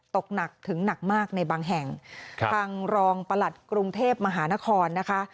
ตกหนักถึงหนักมากในบางแห่งทางรองประหลัดกรุงเทพมหานครนะคะ